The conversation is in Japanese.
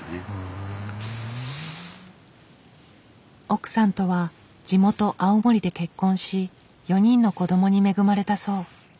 奥さんとは地元青森で結婚し４人の子供に恵まれたそう。